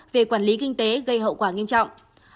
về quản lý kinh tế gây hậu quả nghiêm trọng